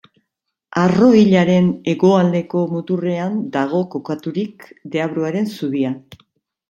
Arroilaren hegoaldeko muturrean dago kokaturik Deabruaren zubia.